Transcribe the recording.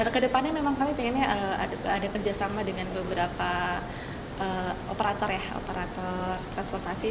kedepannya memang kami ingin ada kerjasama dengan beberapa operator transportasi